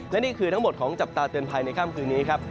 และนี่คือทั้งหมดของจับตาเตือนภัยในค่ำคืนนี้ครับ